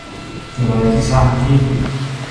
جنایتی سهمگین